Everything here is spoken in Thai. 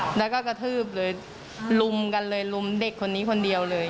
แล้วก็กระทืบเลยลุมกันเลยลุมเด็กคนนี้คนเดียวเลย